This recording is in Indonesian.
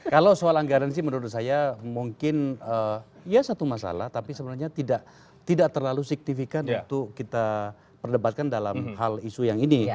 kalau soal anggaran sih menurut saya mungkin ya satu masalah tapi sebenarnya tidak terlalu signifikan untuk kita perdebatkan dalam hal isu yang ini